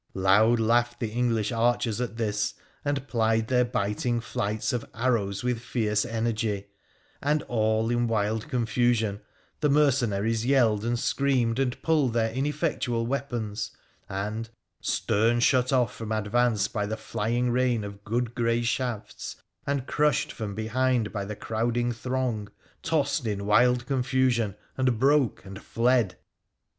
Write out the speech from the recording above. Loud laughed the English archers at this, and plied their biting flights of arrows with fierce energy; and, all in wild confusion, the mercenaries yelled and screamed and pulled their ineffectual weapons, and, stern shut off from advance by the flying rain of good grey shafts, and crushed from behind by the crowding throng, tossed in wild confusion, and broke and fled.